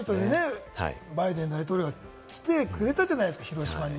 バイデン大統領が来てくれたじゃないですか、広島に。